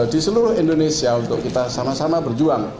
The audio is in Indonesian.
di seluruh indonesia untuk kita sama sama berjuang